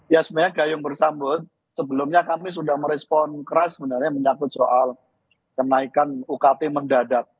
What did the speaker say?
ya sebenarnya gayung bersambut sebelumnya kami sudah merespon keras sebenarnya menyangkut soal kenaikan ukt mendadak